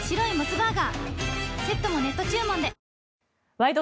「ワイド！